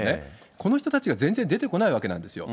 この人たちが全然出てこないわけなんですよ。